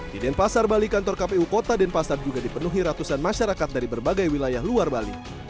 di denpasar bali kantor kpu kota denpasar juga dipenuhi ratusan masyarakat dari berbagai wilayah luar bali